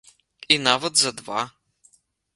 І нават за два.